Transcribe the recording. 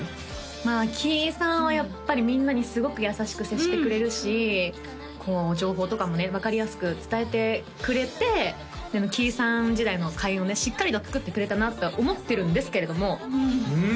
まあキイさんはやっぱりみんなにすごく優しく接してくれるしこう情報とかもね分かりやすく伝えてくれてキイさん時代の開運をねしっかりと作ってくれたなと思ってるんですけれどもうん